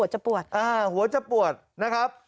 หัวจะปวดนะครับ